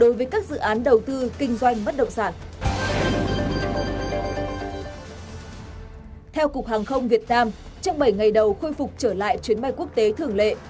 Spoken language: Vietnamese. theo cục hàng không việt nam trong bảy ngày đầu khôi phục trở lại chuyến bay quốc tế thường lệ